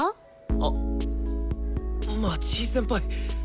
あっ町井先輩。